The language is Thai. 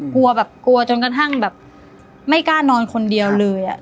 กลัวแบบกลัวจนกระทั่งแบบไม่กล้านอนคนเดียวเลย